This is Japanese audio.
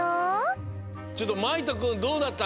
ちょっとまいとくんどうだった？